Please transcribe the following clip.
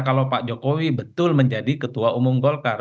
kalau pak jokowi betul menjadi ketua umum golkar